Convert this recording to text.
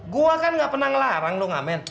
gua kan gak pernah ngelarang lo ngamen